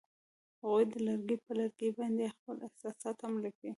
هغوی د لرګی پر لرګي باندې خپل احساسات هم لیکل.